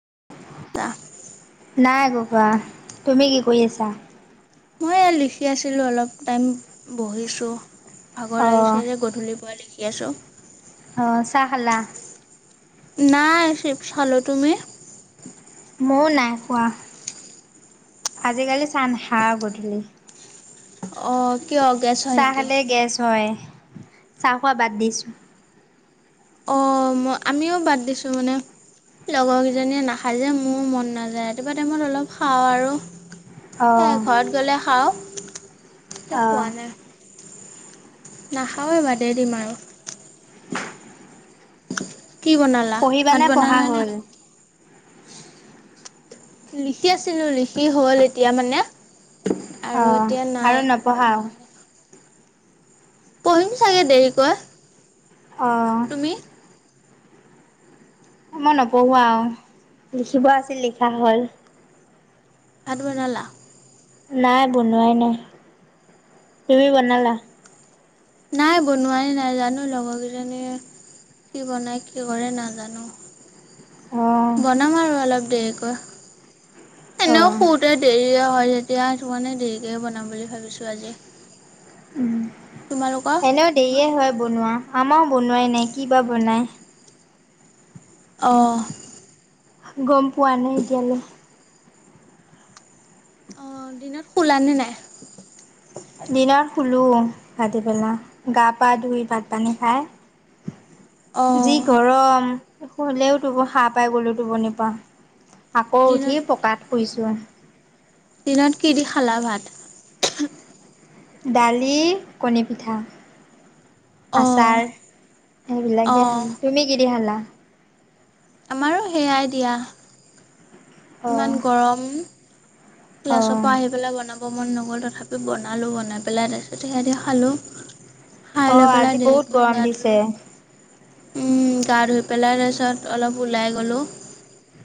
[inaudible] নাই কপোৱা, তুমি কি কৰি আছা? মই এই লিখি আছিলোঁ। অলপ টাইম বহিছোঁ। ভাগৰ অ', লাগিছে যে গধূলি পৰা লিখি আছোঁ। অ, চাহ খালা। নাই, চিপচ খালোঁ তুমি? ময়ো নাই খোৱা আজিকালি চাহ নাখাওঁ গধূলি অ,। চাহ খালে গেছ হয় চাহ খোৱা বাদ দিছোঁ। অ', আমিও বাদ দিছো মানে। লগৰ কেইজনীয়ে নাখায় যে, মোৰ মন নাযায় ৰাতিপুৱা টাইমত অলপ খাওঁ আৰু। স অ', ঘৰত গ'লে খাওঁ অ', খোৱা নাই। নাখাৱেই বাদেই দিম আৰু। কি বনালা? ভাত পঢ়িবানে পঢ়া বনালা নে? হ'ল? লিখি আছিলো লিখি হ'ল এতিয়া মানে। আৰু অ', এতিয়া আৰু নাই নপঢ়াও? কৰিব। পঢ়িম চাগে দেৰি কৈ। অ'। মই নপঢ়ো আৰু লিখিব আছিল লিখা হল। ভাত বনালা? নাই বনোৱাই নাই, তুমি বনালা? নাই বনোৱাই, নাই জানো লগৰ কেইজনীয়ে কি বনায়? কি কৰে নাজানো। অ', বনাম আৰু অলপ দেৰিকৈ এনেও অ', শুওতে দেৰিয়েই হয়। তেতিয়া মানে দেৰিকৈহে বনাম বুলি ভাবিছোঁ আজি। উম, তোমালোকৰ? এনেও দেৰি হয় বনোৱা আমাৰো বনোৱাই নাই কি বা বনায়? অ'। গম পোৱা নাই এতিয়ালৈ। অ, দিনত শুলা নে নাই? দিনত শুলো ভাটিবেলা গা পা ধুই ভাত পানী খাই যি অ', গৰম। হলেওটো সাৰ পাই গ'লো, টোনিৰ পৰা আকৌ উঠি দিনত পকাত শুইছো। ছুৱাহ। দিনত কি দি খালা ভাত? দালি, কণী পিঠা। অ', আচাৰ সেইবিলাকে অ', খালো। তুমি কি দি খালা? আমাৰো সেইয়াই দিয়া। অ ইমান গৰম। অ ক্লাছৰ পৰা আহি পেলাই বনাব -ব মন নগ'ল তথাপি বনালোঁ বনাই পেলাই তাৰপিছত সেয়া দি খালোঁ। অ খাইলৈ আজি পেলাই বহুত দেৰিকৈ গৰম গা দিছে ধুলো। উম গা ধুই পেলাই তাৰপিছত অলপ ওলাই গ'লোঁ।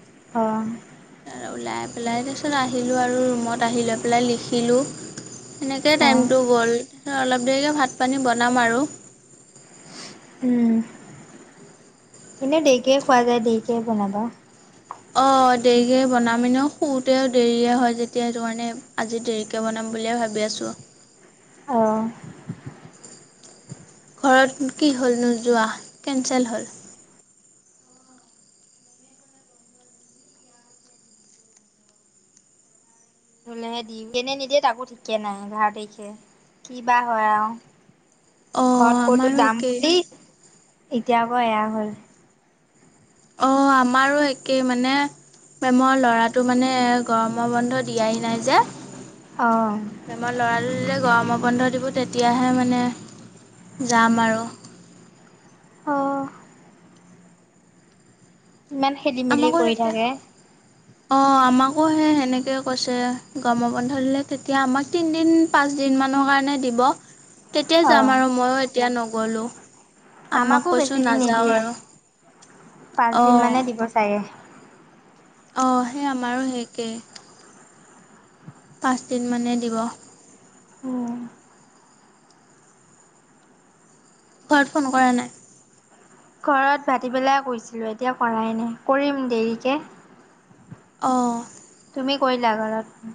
অ'। আৰু ওলাই পেলাই তাৰপিছত আহিলোঁ আৰু ৰুমত আহি লৈ পেলাই লিখিলোঁ। সেনেকেই অ টাইমটো গ'ল অলপ দেৰিকৈ ভাত পানী বনাম আৰু। উম। এনেই দেৰিকৈ খোৱা যায় দেৰিকৈ বনাবা অ' দেৰিকেই বনাম এনেও শুওঁতে দেৰিয়ে হয় যেতিয়া সেইটো কাৰণে আজি দেৰিকে বনাম বুলিয়ে ভাবি আছোঁ। অ' ঘৰত কি হ'ল নোযোৱা কেঞ্চেল হ'ল। [unintelligible] নিদিয়ে তাকো ঠিকে নাই এঘাৰ তাৰিখে কি বা হয় আৰু অ', ঘৰত কলো আমাৰো যাম একেই বুলি এতিয়া আকৌ এয়া হল অ' আমাৰো একেই মানে মেমৰ ল'ৰাটো মানে গৰমৰ বন্ধ দিয়াই নাই যে অঁ মেমৰ লৰা [unintelligible] গৰমৰ বন্ধ দিব তেতিয়াহে মানে যাম আৰু অ' ইমান খেলি মেলি কৰি থাকে। অ'আমাকো সে সেনেকে কৈছে গৰম বন্ধ দিলে তেতিয়া আমাক তিনিদিন পাঁচ দিন মানৰ কাৰণ দিব তেতিয়াই অঁ যাম আৰু মই এতিয়া নগলো। আম্মাক আমাকো কৈছো বেছি দিন নাযাওঁ নিদিয়ে আৰু পাঁচদিন অ' [unintelligible] অ' সেই আমাৰো সেই একেই পাঁচদিন মানেই দিব। উম, ঘৰত ফোন কৰা নাই। ঘৰত ভাটিবেলাই কৰিছিলো এতিয়া কৰাই নাই কৰিম দেৰিকে। অ' তুমি কৰিলা ঘৰত।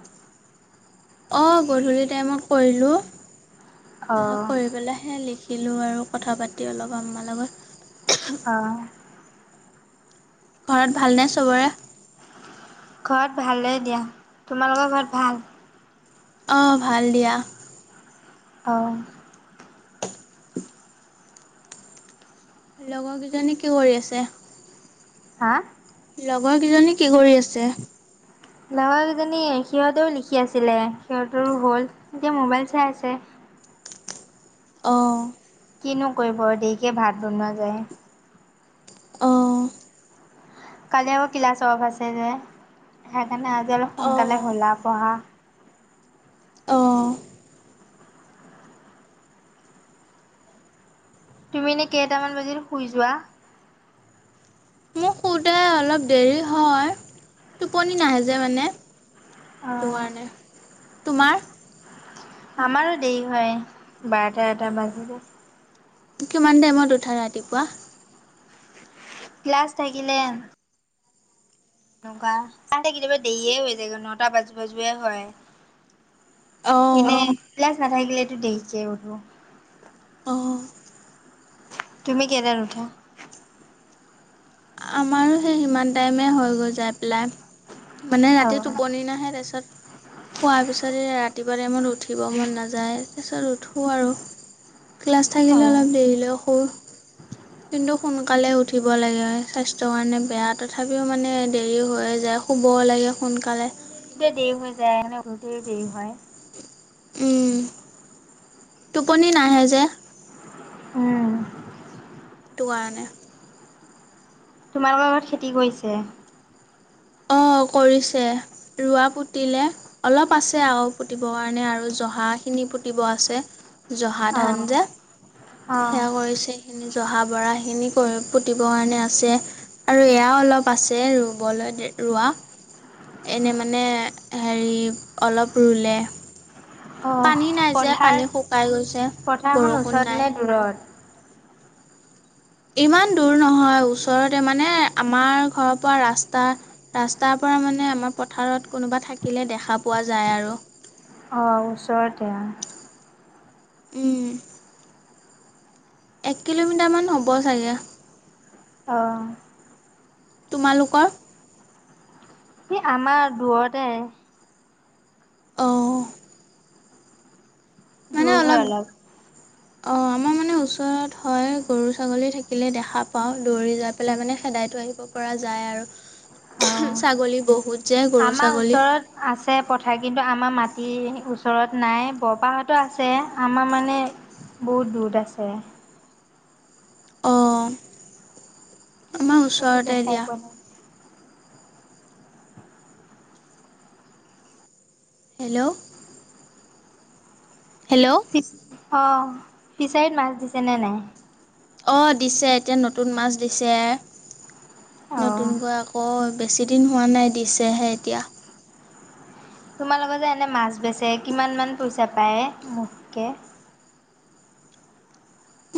অ' গধূলি টাইমত কৰিলোঁ তাৰপিছত অঁ কৰি পেলাইহে লিখ- -খিলোঁ আৰু কথা পাতি অলপ আম্মাৰ লগত অ' ঘৰত ভালনে চবৰে। ঘৰত ভালেই দিয়া তোমালোকৰ ঘৰত ভাল। অ' ভাল দিয়া অ' [inaudible] লগৰ কেইজনী কি কৰি আছে হা। লগৰকেইজনী কি কৰি আছে। লগৰা কেইজনী সিহঁতেও লিখি আছিলে সিহঁতৰো হ'ল এতিয়া মোবাইল চাই আছে। অ' কিনো কৰিব দেৰিকৈ ভাত বনোৱা যায়। অ' কালি আকৌ ক্লাছ অফ আছে যে সেইকাৰণে আজি অলপ সোনকালে অ', হ'লা পঢ়া অ' তুমি এনে কেইটামান বজি শুই যোৱা। মোক শুওতে অলপ দেৰি হয় টোপনি নাহে যে মানে সেইটো অঁ কাৰণে তোমাৰ। আমাৰো দেৰি হয় বাৰটা এটা বাজিল। কিমান টাইমত উঠা ৰাতিপুৱা। ক্লাছ থাকিলে তেনেকুৱা ততে কেতিয়াবা দেৰিয়ে হৈ যায়গৈ নটা বাজু বাজুৱে হয়। অ', এনে নাথাকিলেো দেৰিকে উঠো অ' তুমি কেইটাত উঠা আমাৰো সেই সিমান টাইমে হৈ গৈ যায়। লাই মানে ৰাতি টোপনি নাহে তাৰপিছত। অ', খোৱাৰ পিছতে ৰাতিপুৱা টাইমত উঠিব মন নাযায় তাৰপিছত উঠো আৰু। ক্লাছ অ থাকিলে অলপ দেৰিলৈ সুৰ কিন্তু সোনকালে উঠিব লাগে। স্বাস্থ্যৰ কাৰণে বেয়া তথাপিও মানে দেৰি হৈ যায় শুব লাগে সোনকালে। গৰুতে দেৰি হৈ যায়ে গৰুতেও দেৰি হয়। উম, টোপনি নাহে যে। উম, সেইটো কাৰণে। তোমালোকৰ আগত খেতি কৰিছে। উ [inaudible] অ, কৰিছে ৰোৱা কুটিলে অলপ আছে আৰু কুটিব কাৰনে আৰু জহা খিনি কুটিব আছে। জহা অ ধান যে অ সেইয়া কৰিছে জহা বৰাখিনি কৰি পুতিবৰ কাৰণে আছে। আৰু এয়াও অলপ আছে ৰুবলৈ। ৰৰুোৱা এনে মানে হেৰি অলপ ৰুলে। অহ, পানী নাই যে পথাৰ পানী শুকাই গৈছে পথাৰখন বৰষুণ ওচৰত নাই। নে দূৰত? [inaudible] ইমান দূৰ নহয় ওচৰতে মানে আমাৰ ঘৰৰ পৰা ৰাস্তা - ৰাস্তাৰ পৰা। পৰা মানে আমাৰ পথাৰত কোনোবা থাকিলে দেখা পোৱা যায় আৰু। অ, ওচৰতে। উম, এক কিলোমিটাৰমান হ'ব চাগে। অ, তোমালোকৰ? সেই আমাৰ দূৰতে। অহ ', দূৰ হয় অলপ। অ, আমাৰ মানে মানে ওচৰত হয় গৰু ছাগলী থাকিলে দেখা পাও দৌৰি যাই পেলাই মানে সেদাইতো আহিব পৰা যায়। তাই আৰু অ, ছাগলী বহুত যে গৰু আমাৰ ছাগলী। ওচৰত আছে পথাৰ কিন্তু আমাৰ ম তি ওচৰত নাই বৰপাহতো আছে আমাৰ মানে। বহুত দূৰত আছে। অ, আমাৰ একো ওচৰতে দেখাই দিয়া। পোৱা নাই। Hello, hello? ফিচ অ, ফিচাৰিত মাছ দিছে নে নাই? অ, দিছে এতিয়া নতুন মাছ দিছে। অ', নতুনকৈ আকৌ বেছি দিন হ নাই দিছেহে এতিয়া। তোমাৰ লগত যে এনে মাছ বেচে কিমান মান পইচা পায় মোঠকে।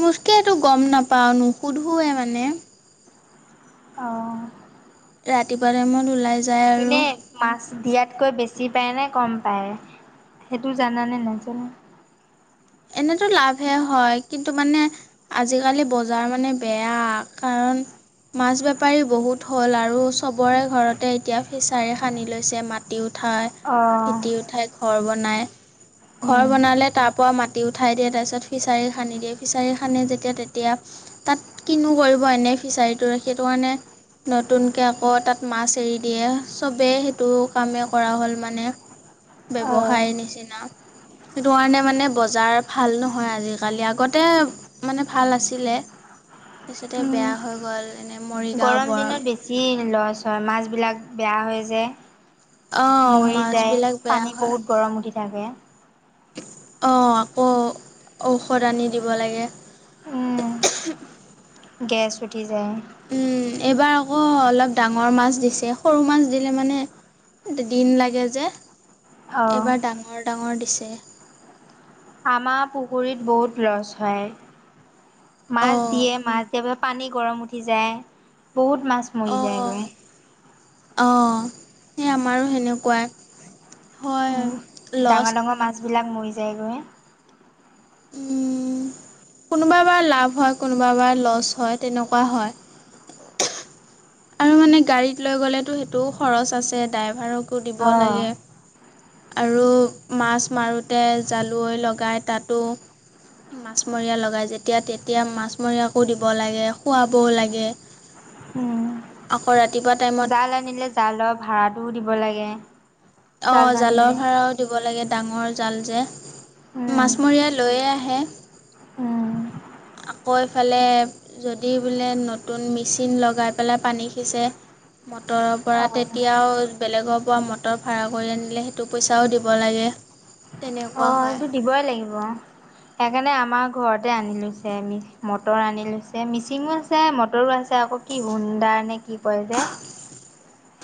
মোঠকে হেইটো গম নাপাও নুসুধোৱে মানে। অহ ', ৰাতিপুৱা টাইমত ওলাই। যায় আৰু এনে মাছ দিয়াত। কৈ বেছি পায় নে কম পায় সেইটো জানানে নাজানো। এনেতো লাভহে হয় কিন্তু মানে আজিকালি বজাৰ মানে বেয়া কাৰ। অন মাছ বেপাৰী বহুত হ'ল আৰু চবৰে ঘৰতে এতিয়া ফিছাৰী সানি লৈছে মাত। মাটি উঠাই অ', ফেটি উঠাই ঘৰ বনাই ঘৰ উম, বনালে তাৰ পৰা মা কুটি উঠাই দিয়ে তাৰপিছত ফিচাৰী খান্দি দিয়ে ফিছাৰী খান্ে যেতিয়া তেতিয়া তাত কিনো কৰিব এনেই ফিচাৰীটো ৰাখি সেইটো কাৰণে নতুনকৈ আকৌ তাত মাছ এৰি দিয়ে চবেই সেইটো কামেই কৰা হ'ল মানে। অ', ব্যৱসায় নিচিনা সেইটো কাৰণে মানে বজা জাৰ ভাল নহয় আজিকালি আগতে মানে ভাল আছিলে। তাৰপছতে উম, বেয়া হৈ গ'ল। এনে মৰিগাঁও গৰম বৰ দিনত বেছি লছ হয় মাছবিলাক বেয়া হয় যে। অঁ মৰি যায় মাছবিলাক বেয়া পানী হয় বহুত গৰম উঠি থাকে। অঁ আকৌ ঔষধ আনি দিব লাগে। উম গেছ উঠি যায়। এইবাৰ আকৌ অলপ ডাঙৰ মাছ দিছে সৰু মাছ দিলে মানে দিন লাগে যে অ', এইবাৰ ডাঙৰ ডাঙৰ দিছে। আমাৰ পুখুৰীত বহুত লছ হয় অ মাছ দিয়ে মাছ দিব পানী গৰম উঠি যায় বহুত মাছ মৰি যায়গৈ। অঁ সেই আমাৰো সেনেকুৱা। লছ ডাঙৰ ডাঙৰ মাছবিলাক মৰি যায়গৈ। উম। কোনোবা বা লাভ হয় কোনোবা বাৰ লছ হয় তেনেকুৱা হয়। আৰু মানে গাড়ীত লৈ গ'লেতো সেইটোও খৰচ আছে ড্ৰাইভাৰকো দিব অ', লাগে। আৰু মাছ মাৰোঁতে জালুৱৈ লগাই তাতো মাছমৰীয়া লগাই যেতিয়া তেতিয়া মাছমৰীয়াকো দিব লাগে খুৱাবও লাগে। উম। অকৌ ৰা জাল আনিলে জালৰ ভাড়াটোও দিব লাগে। অ জাল জালৰ টানিলে ভড়াও দিব লাগে ডাঙৰ জাল যে উম। মাছমৰয়াই লৈয়ে আহে। অ আহে। কৈ ফালে যদি বোলে নতুন মেচিন লগাই পেলাই পানী সিঁচে- মটৰৰ পৰা তেতিয়াও বেলেগৰ পৰা মটৰ ভাড়া কৰি আনিলে সেইটো পইচাও দিব লাগে তেনেক। অ সেইটো দিবই লাগিব সেইকাৰণ আমাৰ ঘৰতে আনি লৈছে মটৰ আনি লৈছে মিচিংও আছে মটৰো আছে আকৌ কি শুনি দা নে কি কয় যে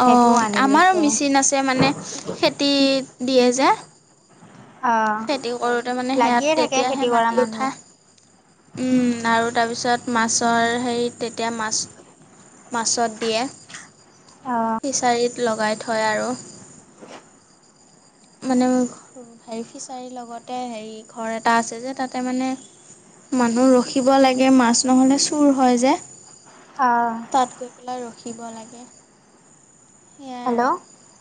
সেইটোও অঁ আনি আমাৰ লৈছে মেচিন আছে মানে খেতিত- দিয়ে যে। অ খেতি কৰোতে মানে সেয়াত লাগিয়ে থাকে তেতিয়াহে খেতি কৰা মাটি মানুহ উঠা উম আৰু- তাৰপিছত মাছৰ হেৰি তেতিয়া মাছ মাছত দিয়ে। অ ফিছাৰীত লগাই থয় আৰু। মানে হেৰি ফিচাৰীৰ লগতে হেৰি ঘৰ এটা আছে যে তাতে মানে মানুহ ৰখিব লাগে মাছ নহ'লে চুৰ হয় যে। অহ। তাত গৈ পেলাই ৰখিব লাগে সেয়াই আৰু। হেল্ল'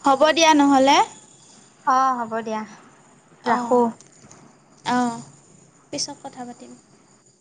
হ'ব দিয়া নহ'লে। অঁ হ'ব দিয়া অঁ ৰাখোঁ। অঁ পিছত কথা পাতিম।